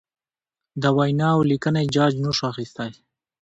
د وینا اولیکنې جاج نشو اخستی.